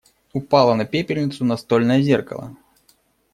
Упало на пепельницу настольное зеркало.